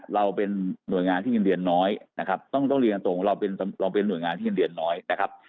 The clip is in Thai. เราเป็นหน่วยงานที่เงินเดือนน้อยนะครับต้องเรียนตรงเราเป็นหน่วยงานที่เงินเดือนน้อยนะครับ